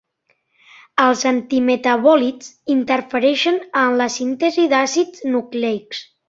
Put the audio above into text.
Els antimetabòlits interfereixen en la síntesi d'àcids nucleics.